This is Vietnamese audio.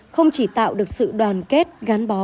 không chỉ tạo được sự đoàn kết gắn bó